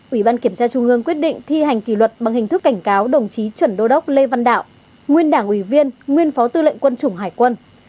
ủy ban kiểm tra trung ương quyết định thi hành kỷ luật bằng hình thức cảnh cáo đồng chí chuẩn đô đốc lê văn đạo nguyên đảng ủy viên nguyên phó tư lệnh quân chủng hải quân